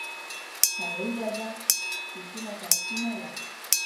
هوايي ډګر کې کومه ټکسي نه وه.